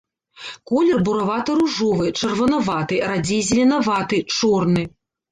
Колер буравата-ружовы, чырванаваты, радзей зеленаваты, чорны.